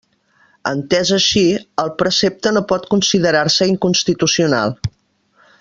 Entès així, el precepte no pot considerar-se inconstitucional.